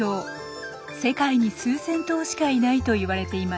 世界に数千頭しかいないといわれています。